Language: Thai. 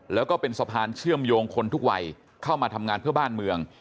แล้วก็เป็นสะพานเชื่อมโยงคนทุกวัยเข้ามาทำงานเพื่อบ้านเมือง